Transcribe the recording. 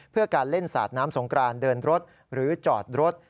เพื่อการเล่นสาดน้ำสงกรานเดินรถหรือจอดรถ